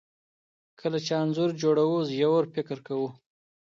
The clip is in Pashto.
کله چې انځور جوړوو ژور فکر کوو.